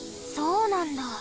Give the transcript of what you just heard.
そうなんだ。